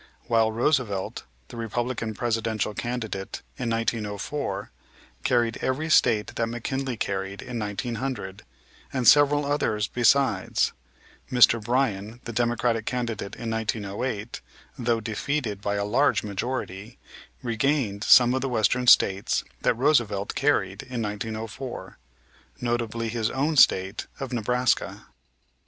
While Roosevelt, the Republican Presidential candidate in 1904, carried every State that McKinley carried in 1900, and several others besides, Mr. Bryan, the Democratic candidate in 1908, though defeated by a large majority, regained some of the Western States that Roosevelt carried in 1904, notably his own State of Nebraska.